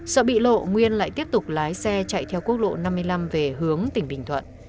sợ bị lộ nguyên lại tiếp tục lái xe chạy theo quốc lộ năm mươi năm về hướng tỉnh bình thuận